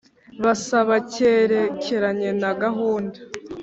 Basaba cyerekeranye na gahunda